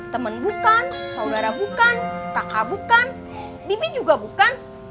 temen bukan saudara bukan kakak bukan bibi juga bukan